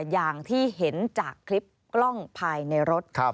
อย่างที่เห็นจากคลิปกล้องภายในรถ